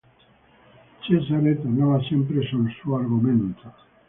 Cesare tornava sempre sul suo argomento.